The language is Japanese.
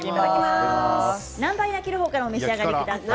南蛮焼きから召し上がりください。